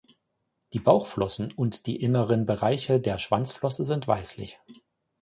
Die Bauchflossen und die inneren Bereiche der Schwanzflosse sind weißlich.